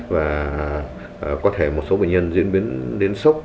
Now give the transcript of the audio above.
và có thể một số bệnh nhân diễn biến đến sốc